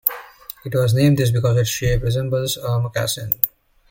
It was named this because its shape resembles a moccasin.